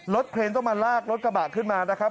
เครนต้องมาลากรถกระบะขึ้นมานะครับ